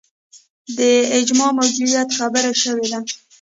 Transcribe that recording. د اجماع موجودیت خبره شوې ده